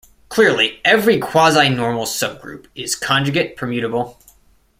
Clearly, every quasinormal subgroup is conjugate-permutable.